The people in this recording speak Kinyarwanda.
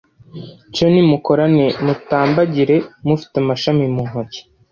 Cyo nimukorane mutambagire mufite amashami mu ntoki